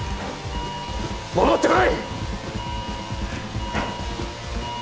戻ってこい！